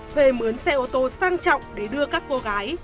thuê mướn xe ô tô sang trọng để đưa các cô gái